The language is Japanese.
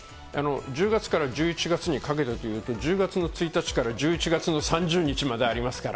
１０月から１１月にかけてというと、１０月の１日から１１月の３０日までありますから。